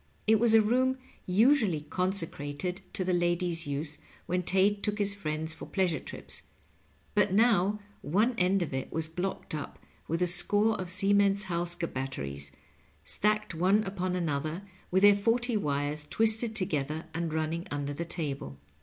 It was a room usually consecrated to the ladies' use when Tate took his friends for pleasure trips, but now one end of it was blocked up with a score of Siemens Halske batteries, stacked one upon another, with their forty wires twisted together and running under the table.